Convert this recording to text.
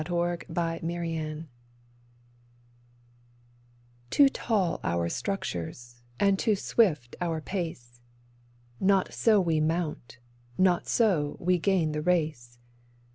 THE FAITH WE NEED TOO tall our structures, and too swift our pace; Not so we mount, not so we gain the race.